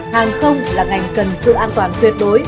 hàng không là ngành cần sự an toàn tuyệt đối